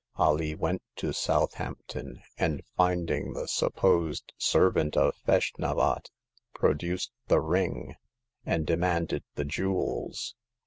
Alee went to Southampton, and finding the supposed servant of Feshnavat, pro duced the ring, and demanded the jewels.